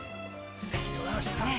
すてきでございました。